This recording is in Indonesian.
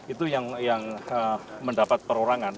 itu yang mendapat perorangan